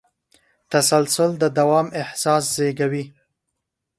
تسلسل د دوام احساس زېږوي.